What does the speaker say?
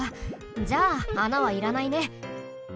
じゃあ穴はいらないね。